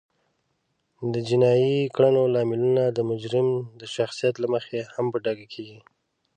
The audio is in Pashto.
د جینایي کړنو لاملونه د مجرم د شخصیت له مخې هم په ډاګه کیږي